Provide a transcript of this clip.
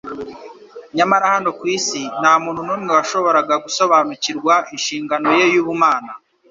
nyamara hano ku isi nta muntu n'umwe washoboraga gusobanukirwa inshingano ye y'ubumana